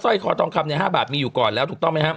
ร้อยคอทองคำใน๕บาทมีอยู่ก่อนแล้วถูกต้องไหมครับ